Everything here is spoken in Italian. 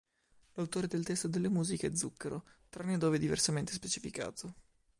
L'autore del testo e delle musiche è Zucchero, tranne dove diversamente specificato.